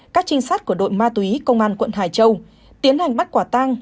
các trinh sát của đội ma túy công an quận hải châu tiến hành bắt quả tang